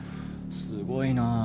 すごいなぁ。